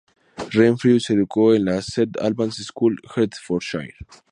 Renfrew se educó en la St Albans School, Hertfordshire.